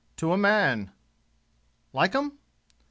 "To a man." "Like 'em?"